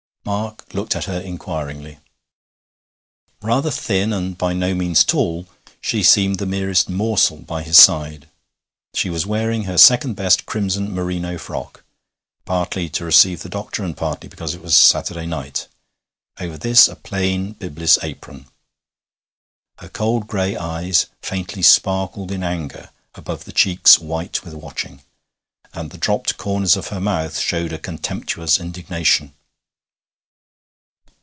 Mark looked at her inquiringly. Rather thin, and by no means tall, she seemed the merest morsel by his side. She was wearing her second best crimson merino frock, partly to receive the doctor and partly because it was Saturday night; over this a plain bibless apron. Her cold gray eyes faintly sparkled in anger above the cheeks white with watching, and the dropped corners of her mouth showed a contemptuous indignation.